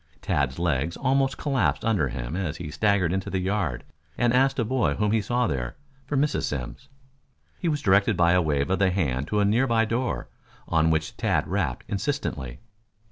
Tads legs almost collapsed under him as he staggered into the yard and asked a boy whom he saw there, for Mrs. Simms. He was directed by a wave of the hand to a near by door, on which Tad rapped insistently.